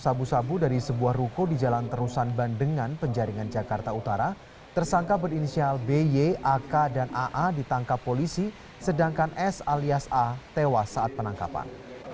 sabu sabu dari sebuah ruko di jalan terusan bandengan penjaringan jakarta utara tersangka berinisial by ak dan aa ditangkap polisi sedangkan s alias a tewas saat penangkapan